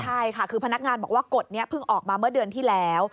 ใช่ค่ะคือพนักงานบอกว่ากฎนี้เพิ่งออกมาเมื่อเดือนที่แล้ว